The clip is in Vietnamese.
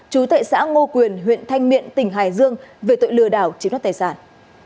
chú tệ xã ngô quyền huyện thanh miện tỉnh hải dương về tội lừa đảo chiếm đoát tài sản